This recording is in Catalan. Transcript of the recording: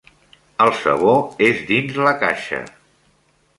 El sabó és dins la caixa.